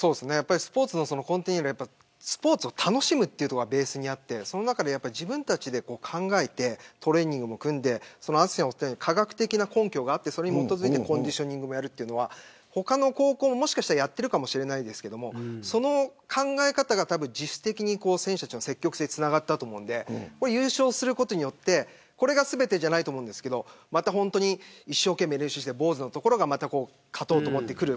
スポーツの根底にはスポーツを楽しむというところがベースにあって自分たちで考えてトレーニングも組んで科学的な根拠があってそれに基づいてコンディショニングもやるというのは他の高校もやってるかもしれませんがその考え方が実質的に選手たちの積極性につながったと思うので優勝することでこれが全てじゃないと思うんですけど一生懸命練習して坊主のところが勝とうと思ってくる。